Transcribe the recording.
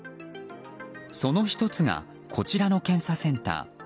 その１つがこちらの検査センター。